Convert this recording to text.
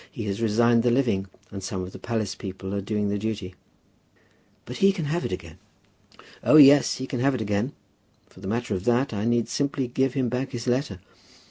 He has resigned the living, and some of the palace people are doing the duty." "But he can have it again?" "Oh, yes; he can have it again. For the matter of that, I need simply give him back his letter.